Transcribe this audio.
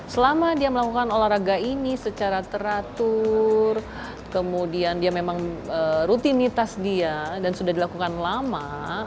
selama dia melakukan olahraga ini secara teratur kemudian dia memang rutinitas dia dan sudah dilakukan lama